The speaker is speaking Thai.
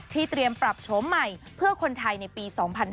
เตรียมปรับโฉมใหม่เพื่อคนไทยในปี๒๕๕๙